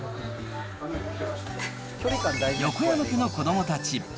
横山家の子どもたち。